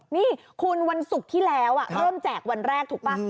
นี่คุณวันศุกร์ที่แล้วเริ่มแจกวันแรกถูกป่ะ